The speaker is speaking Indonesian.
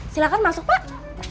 silahkan masuk pak